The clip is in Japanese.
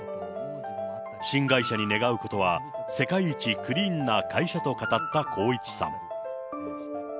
新会社に願うことは、世界一クリーンな会社と語った光一さん。